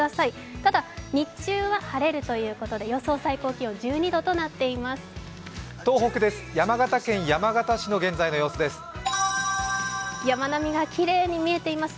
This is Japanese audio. ただ、日中は晴れるということで予想最高気温１２度となっています。